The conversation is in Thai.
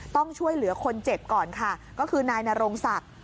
ต้องช่วยเหลือคนเจ็บก่อนค่ะก็คือนายนโรงศักดิ์